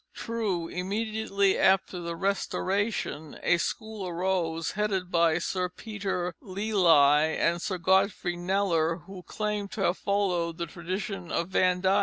True, immediately after the Restoration, a school arose, headed by Sir Peter Lely and Sir Godfrey Kneller, who claimed to have followed the traditions of Van Dyck.